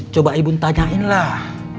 coba ibu tanyain lah